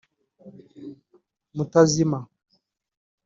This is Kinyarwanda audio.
Mutazimiza